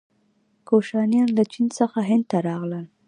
کوشانیان له چین څخه هند ته راغلل.